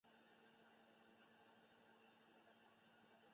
太史第遗址的历史年代为清代。